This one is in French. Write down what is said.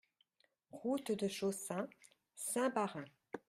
Route de Chaussin, Saint-Baraing